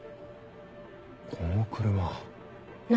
この車。何？